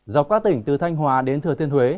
dọc qua tỉnh từ thanh hòa đến thừa thiên huế